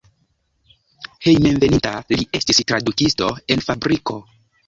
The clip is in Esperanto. Hejmenveninta li estis tradukisto en fabriko.